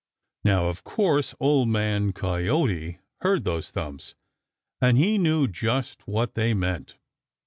Now of course Old Man Coyote heard those thumps, and he knew just what they meant.